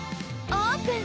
オープン！